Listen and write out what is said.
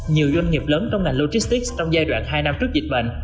nhiều doanh nghiệp lớn trong ngành logistics trong giai đoạn hai năm trước dịch bệnh